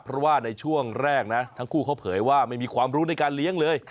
เพราะว่าในช่วงแรกนะทั้งคู่เขาเผยว่าไม่มีความรู้ในการเลี้ยงเลย